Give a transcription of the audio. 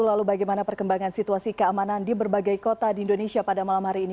lalu bagaimana perkembangan situasi keamanan di berbagai kota di indonesia pada malam hari ini